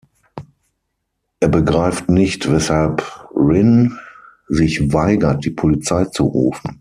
Er begreift nicht, weshalb Rynn sich weigert, die Polizei zu rufen.